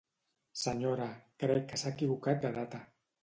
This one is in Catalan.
Senyora, crec que s'ha equivocat de data.